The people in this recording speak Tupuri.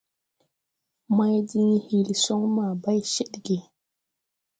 Mày diŋ hil son maa bay ced ge.